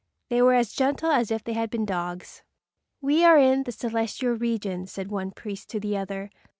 They were as gentle as if they had been dogs. "We are in the celestial regions," said one priest to the other.